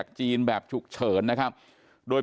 ก็คือเป็นการสร้างภูมิต้านทานหมู่ทั่วโลกด้วยค่ะ